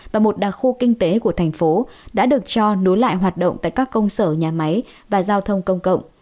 và một đặc khu kinh tế của thành phố đã được cho nối lại hoạt động tại các công sở nhà máy và giao thông công cộng